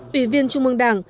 ủy viên trung mương đảng